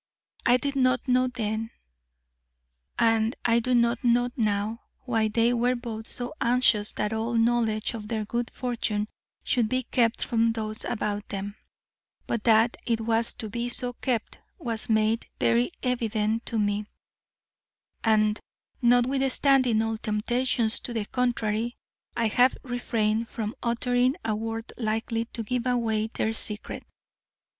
I did not know then, and I do not know now, why they were both so anxious that all knowledge of their good fortune should be kept from those about them; but that it was to be so kept was made very evident to me; and, notwithstanding all temptations to the contrary, I have refrained from uttering a word likely to give away their secret.